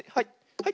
はい。